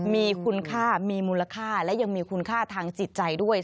มีคุณค่ามีมูลค่าและยังมีคุณค่าทางจิตใจด้วย